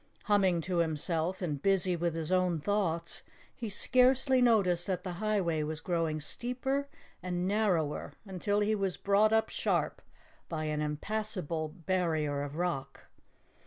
Humming to himself and busy with his own thoughts, he scarcely noticed that the highway was growing steeper and narrower until he was brought up sharp by an impassable barrier of rock.